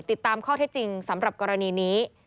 ติดตามข้อเท็จจริงสำหรับกรณีนี้